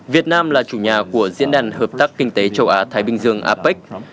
việt nam là chủ nhà của diễn đàn hợp tác kinh tế châu á thái bình dương apec